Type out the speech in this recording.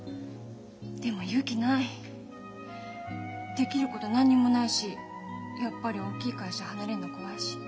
できること何にもないしやっぱり大きい会社離れるの怖いし。